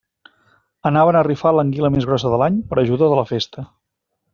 Anaven a rifar l'anguila més grossa de l'any per a ajuda de la festa.